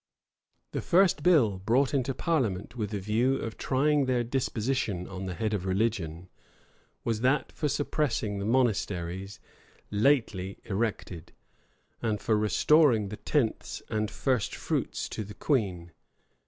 [*] The first bill brought into parliament with a view of trying their disposition on the head of religion, was that for suppressing the monasteries lately erected, and for restoring the tenths and first fruits to the queen.